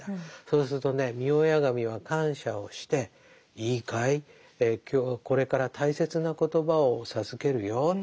そうするとね御祖神は感謝をして「いいかい今日はこれから大切な言葉を授けるよ。